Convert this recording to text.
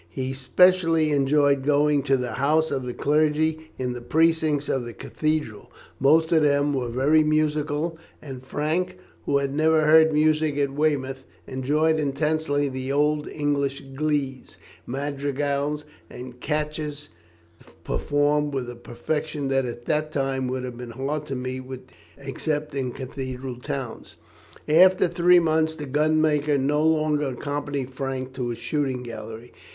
He specially enjoyed going to the houses of the clergy in the precincts of the cathedral; most of them were very musical, and Frank, who had never heard much music at Weymouth, enjoyed intensely the old English glees, madrigals, and catches performed with a perfection that at that time would have been hard to meet with except in cathedral towns. After three months the gunmaker no longer accompanied Frank to his shooting gallery.